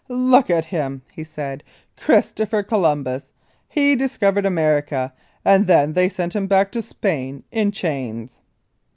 "Look at him," he said. "Christopher Columbus! He discovered America and then they sent him back to Spain in chains."